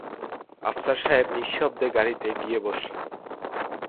আফসার সাহেব নিঃশব্দে গাড়িতে গিয়েবসলেন।